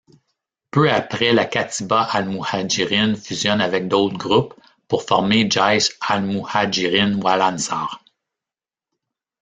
Peu après la Katiba al-Mouhajirine fusionne avec d'autres groupes pour former Jaych al-Mouhajirine wal-Ansar.